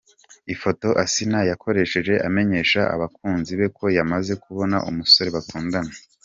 Ifoto Asinah yakoresheje amenyesha abakunzi be ko yamaze kubona umusore bakundana.